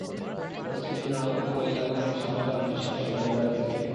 West ইন্ডিজের অনভিজ্ঞ bowling আক্রমণের সামনেও তারা নিশ্চিত সেটা ধরে রাখতে চাইবে।